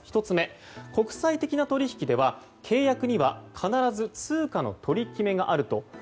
１つ目、国際的な取引では契約には必ず通貨の取り決めがあると。